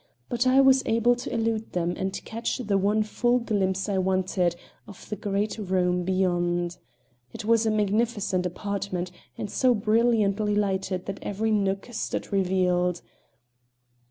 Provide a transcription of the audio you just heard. But I was able to elude them and catch the one full glimpse I wanted of the great room beyond. It was a magnificent apartment, and so brilliantly lighted that every nook stood revealed.